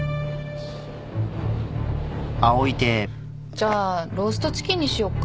じゃローストチキンにしよっか。